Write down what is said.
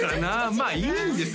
まあいいんです